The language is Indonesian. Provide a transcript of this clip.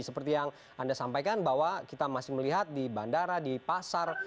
seperti yang anda sampaikan bahwa kita masih melihat di bandara di pasar